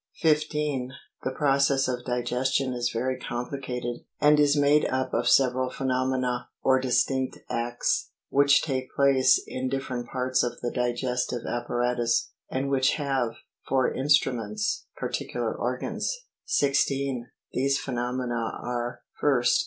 15. The process of digestion is very complicated, and is made up of several phenomena or distinct acts, which take place in different parts of the digestive apparatus, and which have, for instruments, particular organs. 16. These phenomena are : 1st.